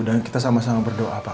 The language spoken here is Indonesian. dan kita sama sama berdoa pak